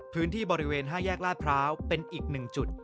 พื้นที่บริเวณ๕แยกลาดพร้าวเป็นอีก๑จุด